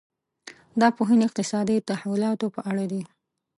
دا پوهنې اقتصادي تحولاتو په اړه دي.